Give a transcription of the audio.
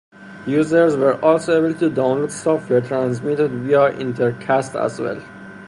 Users were also able to download software transmitted via Intercast as well.